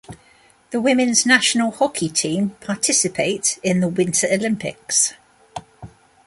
The women's national hockey teams participate in the Winter Olympics.